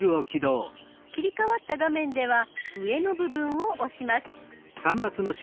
切り替わった画面では上の部分を押します。